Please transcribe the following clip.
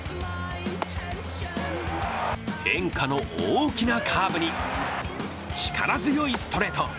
変化の大きなカーブに力強いストレート。